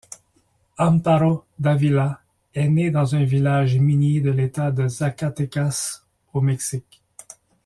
Amparo Dávila est née dans un village minier de l'État de Zacatecas, au Mexique.